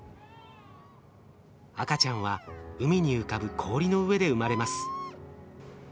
赤ちゃんは海に浮かぶ氷の上で生まれます。